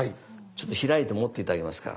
ちょっと開いて持って頂けますか？